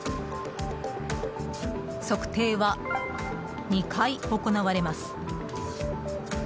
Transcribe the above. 測定は２回行われます。